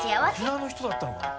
沖縄の人だったのかな。